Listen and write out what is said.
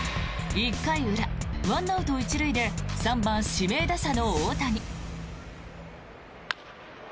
１回裏、１アウト１塁で３番指名打者の大谷。